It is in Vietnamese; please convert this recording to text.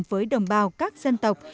với đồng bào các dân tộc